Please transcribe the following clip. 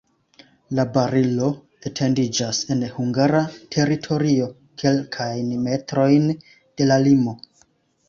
La barilo etendiĝas en hungara teritorio kelkajn metrojn de la limo.